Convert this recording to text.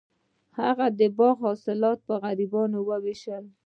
هغه د باغ حاصلات په غریبانو ویشل.